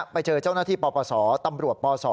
ไปเจอเจ้าหน้าที่ปปศตำรวจป๒